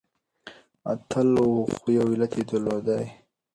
اتل و خو يو علت يې درلودی .